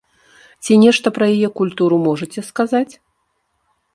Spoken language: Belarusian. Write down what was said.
Ці нешта пра яе культуру можаце сказаць?